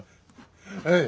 はい！